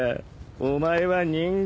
お前は人間。